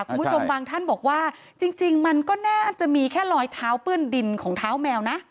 คุณผู้ชมบางท่านบอกว่าจริงมันก็น่าจะมีแค่รอยเท้าเปื้อนดินของเท้าแมวนะ